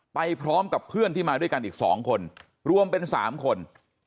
ไปพร้อมกับเพื่อนที่มาด้วยกันอีก๒คนรวมเป็น๓คน